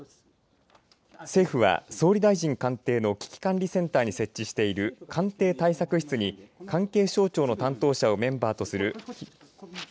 政府は総理大臣官邸の危機管理センターに設置している官邸対策室に関係省庁の担当者をメンバーとする。